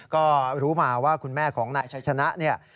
ก็รู้มาว่าคุณแม่ของนายชัยชนะเนี่ย